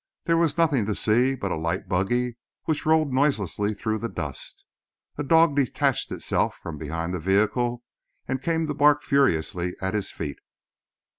There was nothing to see but a light buggy which rolled noiselessly through the dust. A dog detached itself from behind the vehicle and came to bark furiously at his feet.